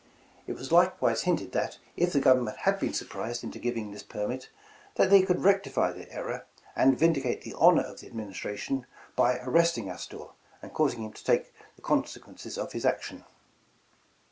"It was likewise hinted that if the Government had been surprised into giving this permit, that they could rectify their error, and vindicate the honor of the Ad ministration by arresting Astor, and causing him to take the consequence of his action.